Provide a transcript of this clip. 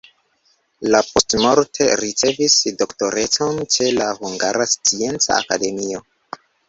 Li postmorte ricevis doktorecon ĉe la Hungara Scienca Akademio.